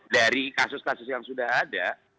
dari kasus kasus yang sudah ada